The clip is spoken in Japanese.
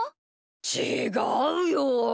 ちがうよ。